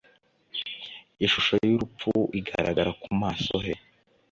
ishusho y’urupfu igaragara ku maso he